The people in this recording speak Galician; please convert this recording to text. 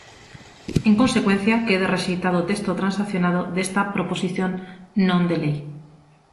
En consecuencia, queda rexeitado o texto transaccionado desta proposición non de lei.